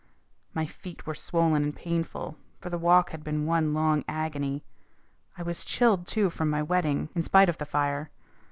My feet were swollen and painful, for the walk had been one long agony. I was chilled, too, from my wetting, in spite of the fire.